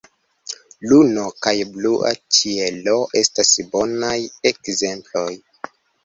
Luno kaj blua ĉielo estas bonaj ekzemploj.